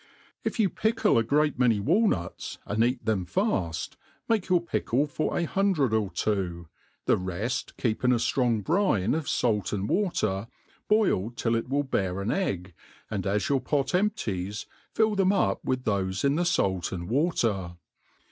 If you pickle a gi:eat many walnuts^ and eat them faft, make your pickle for a hundred or two, the reft keep in a.ftrong brine of fait and water, boiled till ic will bear an egg, and as your pot empties, fill them up with thofe in the fait and water.